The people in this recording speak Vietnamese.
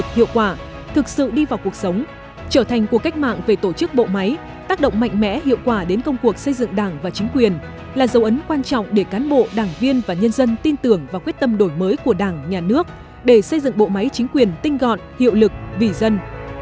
hiệu quả thực sự đi vào cuộc sống trở thành cuộc cách mạng về tổ chức bộ máy tác động mạnh mẽ hiệu quả đến công cuộc xây dựng đảng và chính quyền là dấu ấn quan trọng để cán bộ đảng viên và nhân dân tin tưởng và quyết tâm đổi mới của đảng nhà nước để xây dựng bộ máy chính quyền tinh gọn hiệu lực vì dân